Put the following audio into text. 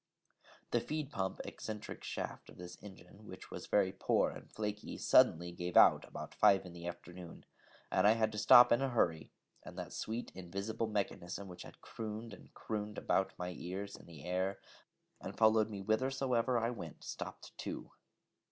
The feed pump eccentric shaft of this engine, which was very poor and flaky, suddenly gave out about five in the afternoon, and I had to stop in a hurry, and that sweet invisible mechanism which had crooned and crooned about my ears in the air, and followed me whithersoever I went, stopped too.